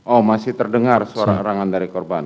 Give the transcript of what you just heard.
oh masih terdengar suara arangan dari korban